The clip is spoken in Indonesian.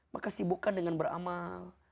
maka sibukkan dengan beramal